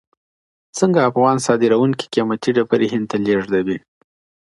څنګه افغان صادروونکي قیمتي ډبرې هند ته لیږدوي؟